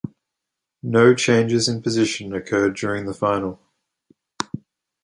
No changes in position occurred during the final.